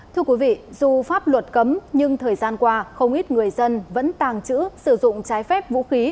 thưa quý vị dù pháp luật cấm nhưng thời gian qua không ít người dân vẫn tàng trữ sử dụng trái phép vũ khí